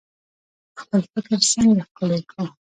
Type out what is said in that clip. خپل فکر څنګه ښکلی کړو؟